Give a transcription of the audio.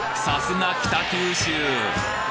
さすが北九州！